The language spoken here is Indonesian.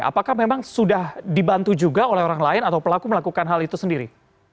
apakah memang sudah dibantu juga oleh orang lain atau pelaku melakukan hal itu sendiri